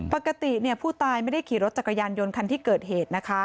ปกติผู้ตายไม่ได้ขี่รถจักรยานยนต์คันที่เกิดเหตุนะคะ